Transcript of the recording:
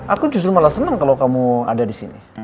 aku justru malah senang kalau kamu ada di sini